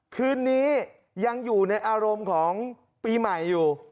คืนนี้ยังอยู่ในอารมณ์ของปีใหม่อยู่